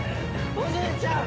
おじいちゃん！